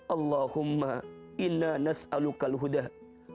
allahumma inna nas'alu kaluhudah